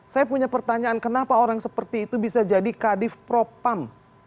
saya punya pertanyaan kenapa orang seperti itu bisa jadi kadif propam